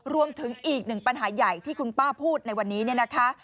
รวมถึงอีกหนึ่งปัญหาใหญ่ที่คุณป้าพูดในวันนี้เนี่ยนะคะ